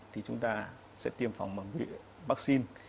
thì chúng ta sẽ tiêm phòng bằng vaccine